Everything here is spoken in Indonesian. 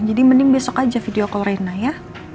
jadi mending besok aja video aku rena ya